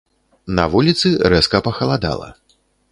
На вуліцы рэзка пахаладала.